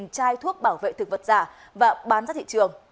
hai chai thuốc bảo vệ thực vật giả và bán ra thị trường